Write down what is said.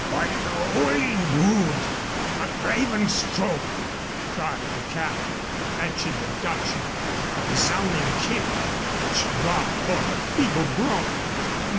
"By the 'Oly Rood! A craven stroke!" cried the captain, fetching the Dutchman a resounding kick, which brought forth a feeble groan.